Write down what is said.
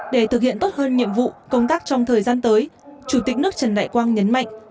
để thực hiện tốt hơn nhiệm vụ công tác trong thời gian tới chủ tịch nước trần đại quang nhấn mạnh